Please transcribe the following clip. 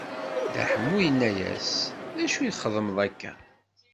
Dda Ḥemmu inna-yas: D acu i ɣ-txedmeḍ akka?